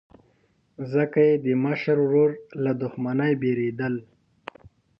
ځکه یې د مشر ورور له دښمنۍ بېرېدل.